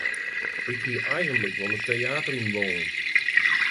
Ik hie eigentlik wol it teäter yn wollen.